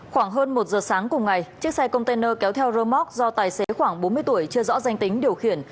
khoảng hơn một giờ sáng cùng ngày chiếc xe container kéo theo rơ móc do tài xế khoảng bốn mươi tuổi chưa rõ danh tính điều khiển